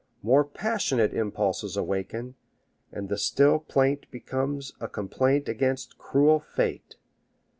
More passionate impulses awaken, and the still plaint becomes a complaint against cruel fate.